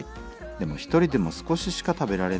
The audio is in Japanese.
でも１人でも少ししか食べられない。